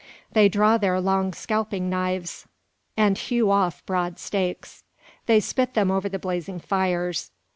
They draw their long scalping knives, and hew off broad steaks. They spit them over the blazing fires.